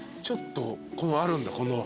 ちょっとあるんだ。